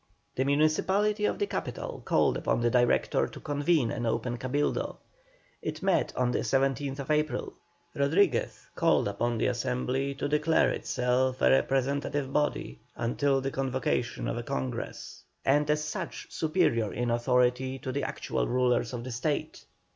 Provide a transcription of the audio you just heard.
The municipality of the capital called upon the Director to convene an open Cabildo. It met on the 17th April. Rodriguez called upon the Assembly to declare itself a representative body until the convocation of a Congress, and as such superior in authority to the actual rulers of the State.